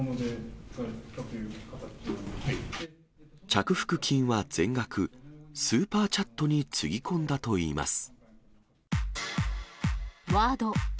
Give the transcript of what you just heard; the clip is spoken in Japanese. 着服金は全額、スーパーチャットにつぎ込んだといいます。